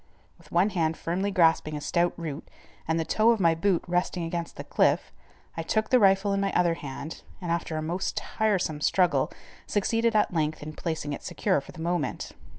With one hand firmly grasping a stout root, and the toe of my boot resting against the cliff, I took the rifle in my other hand, and after a most tiresome struggle, succeeded at length in placing it secure for the moment.